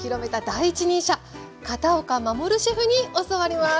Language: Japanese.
第一人者片岡護シェフに教わります。